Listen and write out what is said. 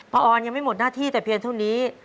ออนยังไม่หมดหน้าที่แต่เพียงเท่านี้